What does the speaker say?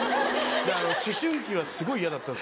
思春期はすごい嫌だったんです